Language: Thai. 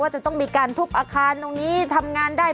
จะต้องมีการทุบอาคารตรงนี้ทำงานได้